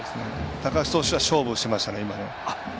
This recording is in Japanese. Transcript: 高橋投手は勝負しましたね、今。